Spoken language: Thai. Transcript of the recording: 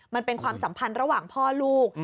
มันเป็นความสัมพันธ์ระหว่างพ่อลูก